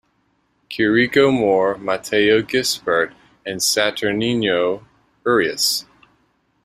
Quirico More, Mateo Gisbert, and Saturnino Urius.